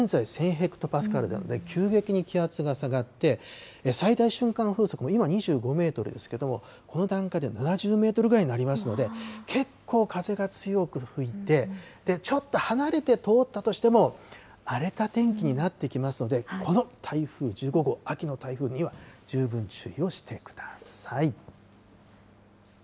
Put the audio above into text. ヘクトパスカルなので、急激に気圧が下がって、最大瞬間風速も今２５メートルですけれども、この段階で７０メートルぐらいになりますので、結構風が強く吹いて、ちょっと離れて通ったとしても、荒れた天気になってきますので、この台風１５号、秋の台風には十分注意をしてください。